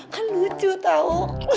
kan lucu tau